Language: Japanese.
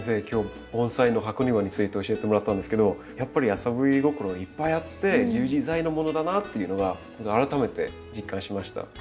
今日盆栽の箱庭について教えてもらったんですけどやっぱり遊び心いっぱいあって自由自在のものだなっていうのが改めて実感しました。